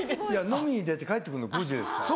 飲みに出て帰って来るの５時ですから。